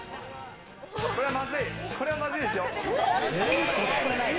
これはまずい、これはまずいですよ。